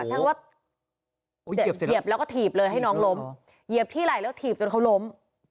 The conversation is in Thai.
ใช้คำว่าเหยียบแล้วก็ถีบเลยให้น้องล้มเหยียบที่ไหล่แล้วถีบจนเขาล้ม